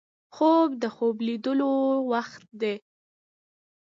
خوب د خوب لیدلو وخت دی